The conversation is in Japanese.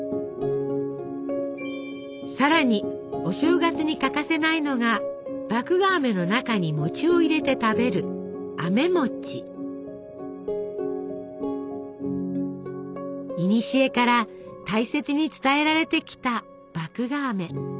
さらにお正月に欠かせないのが麦芽あめの中に餅を入れて食べるいにしえから大切に伝えられてきた麦芽あめ。